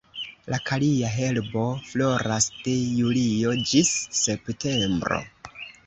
La kalia herbo floras de julio ĝis septembro.